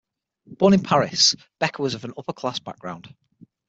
Born in Paris, Becker was of an upper-class background.